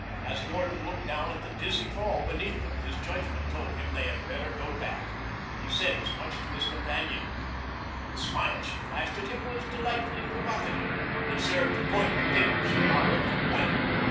As Gordon looked down at the dizzy fall beneath them his judgment told him they had better go back. He said as much to his companion. The smile she flashed at him was delightfully provocative. It served to point the figure she borrowed from Gwen.